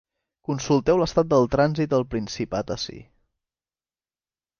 Consulteu l’estat del trànsit al Principat ací.